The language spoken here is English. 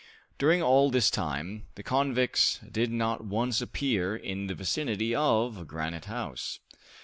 During all this time, the convicts did not once appear in the vicinity of Granite House.